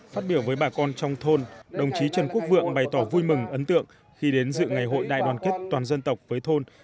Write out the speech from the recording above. phát biểu với bà con trong thôn đồng chí trần quốc vượng bày tỏ vui mừng ấn tượng khi đến dự ngày hội đại đoàn kết toàn dân tộc với thôn